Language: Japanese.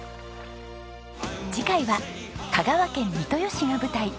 次回は香川県三豊市が舞台。